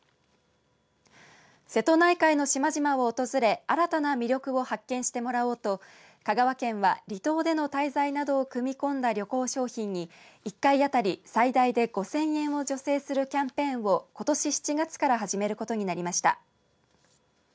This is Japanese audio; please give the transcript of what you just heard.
瀬戸内海の島々を訪れ新たな魅力を発見してもらおうと香川県は離島での滞在などを組み込んだ旅行商品に１回当たり最大で５０００円を助成するキャンペーンをことし７月から始めることになりました。